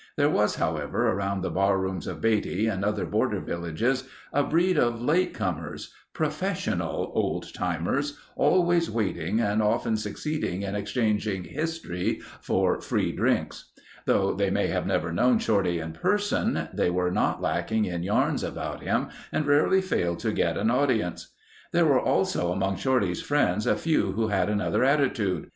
There was, however, around the barrooms of Beatty and other border villages a breed of later comers—"professional" old timers always waiting and often succeeding in exchanging "history" for free drinks. Though they may have never known Shorty in person, they were not lacking in yarns about him and rarely failed to get an audience. There were also among Shorty's friends a few who had another attitude.